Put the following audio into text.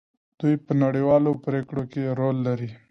دوی په نړیوالو پریکړو کې رول لري.